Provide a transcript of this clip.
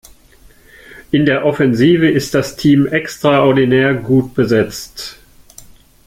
In der Offensive ist das Team extraordinär gut besetzt.